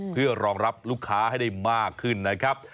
เพื่อรองรับลูกค้าให้ได้มากขึ้นนะครับ